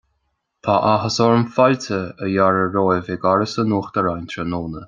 Tá áthas orm fáilte a fhearradh romhaibh chuig Áras an Uachtaráin tráthnóna.